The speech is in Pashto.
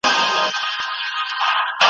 چي سرسایې او عالمانو ته خیرات ورکوي `